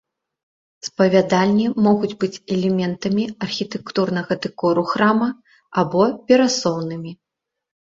Спавядальні могуць быць элементамі архітэктурнага дэкору храма або перасоўнымі.